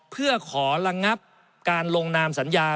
เพื่อขอระงับการลงนามสัญญา